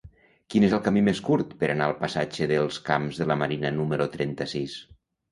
Quin és el camí més curt per anar al passatge dels Camps de la Marina número trenta-sis?